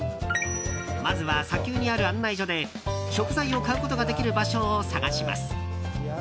まずは、砂丘にある案内所で食材を買うことができる場所を探します。